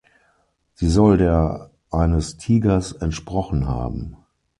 Sie soll der eines Tigers entsprochen haben.